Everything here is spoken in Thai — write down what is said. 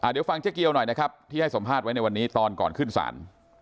เดี๋ยวฟังเจ๊เกียวหน่อยนะครับที่ให้สัมภาษณ์ไว้ในวันนี้ตอนก่อนขึ้นศาล